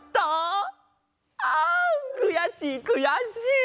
あんくやしいくやしい！